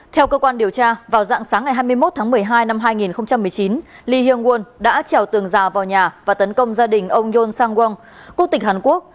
theo cơ quan điều tra vào dạng sáng ngày hai mươi một tháng một mươi hai năm hai nghìn một mươi chín ly hyung won đã trèo tường rào vào nhà và tấn công gia đình ông yoon sang wang quốc tịch hàn quốc